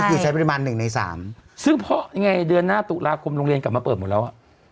ซึ่งพอเดือนหน้าตุลาคมโรงเรียนกลับมาเปิดหมดแล้ว